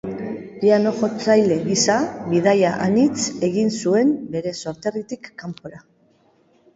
Piano-jotzaile gisa bidaia anitz egin zuen bere sorterritik kanpora.